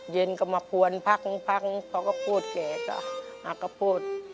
เย็นก็มาพวนพังเพราะกระโพดแก่ก็อากระโพด